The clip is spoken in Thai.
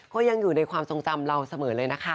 ก็ยังอยู่ในความทรงจำเราเสมอเลยนะคะ